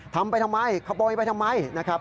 ทำไปทำไมขโมยไปทำไมนะครับ